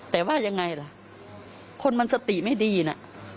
แต่ว่ายังไงล่ะคนมันสติไม่ดีนะ